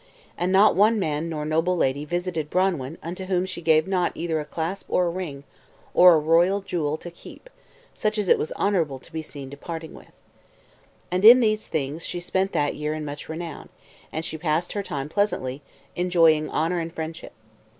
And not one great man nor noble lady visited Branwen unto whom she gave not either a clasp or a ring, or a royal jewel to keep, such as it was honorable to be seen departing with. And in these things she spent that year in much renown, and she passed her time pleasantly, enjoying honor and friendship.